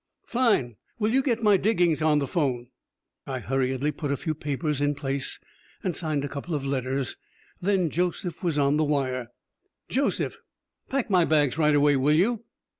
"Fine! Will you get my diggings on the phone?" I hurriedly put my few papers in place, and signed a couple of letters. Then Josef was on the wire. "Josef? Pack my bags right away, will you?